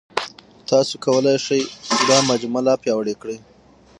تاسو کولای شئ دا مجموعه لا پیاوړې کړئ.